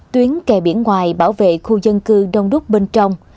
tuyến kè biển ngoài bảo vệ khu dân cư đông đúc bên trong